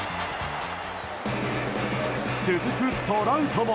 続くトラウトも。